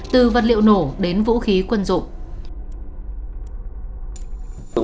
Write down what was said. từ vật liệu nổ đến vũ khí quân dụng